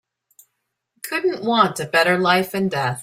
Couldn't want a better life and death.